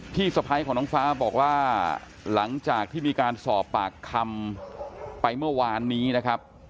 พี่สะพ้ายของน้องฟ้าบอกว่าหลังจากที่มีการสอบปากคำไปเมื่อวานนี้นะครับ